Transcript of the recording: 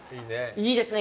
いいですね